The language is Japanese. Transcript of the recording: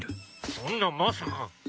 そんなまさか。